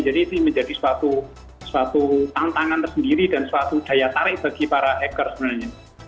jadi itu menjadi suatu tantangan tersendiri dan suatu daya tarik bagi para hacker sebenarnya